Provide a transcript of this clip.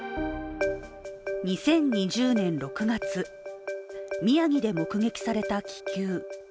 ２０２０年６月、宮城で目撃された気球。